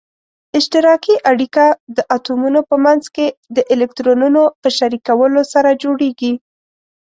اشتراکي اړیکه د اتومونو په منځ کې د الکترونونو په شریکولو سره جوړیږي.